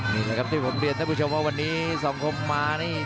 นี่แหละครับที่ผมเรียนท่านผู้ชมว่าวันนี้สังคมมานี่